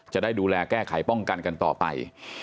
จะได้ดูแลแก้ไขป้องกันกันต่อไป